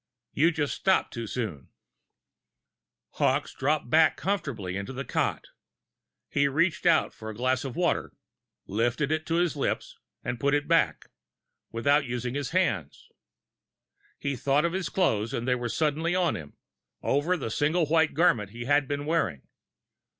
You just stopped too soon." Hawkes dropped back comfortably onto the cot. He reached out for a glass of water, lifted it to his lips, and put it back without using his hands. He thought of his clothes, and they were suddenly on him, over the single white garment he had been wearing.